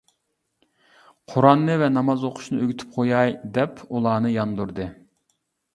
قۇرئاننى ۋە ناماز ئوقۇشنى ئۆگىتىپ قوياي، -دەپ ئۇلارنى ياندۇردى.